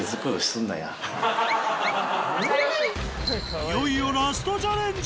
いよいよラストチャレンジ！